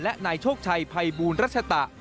และนายโชคชัยภัยบูลรัชตะ